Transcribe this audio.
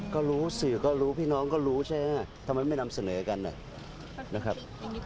ก็รู้สื่อก็รู้พี่น้องก็รู้ใช่ไหมทำไมไม่นำเสนอกันนะครับ